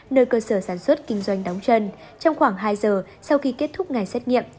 nơi cơ sở sản xuất kinh doanh đóng chân trong khoảng hai giờ sau khi kết thúc ngày xét nghiệm